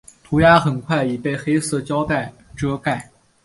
涂鸦很快已被黑色胶袋遮盖。